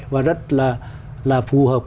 và rất là phù hợp